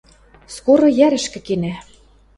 – Скоро йӓрӹшкӹ кенӓ.